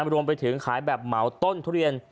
รวมไปถึงขายแบบเหมาต้นทุเรียน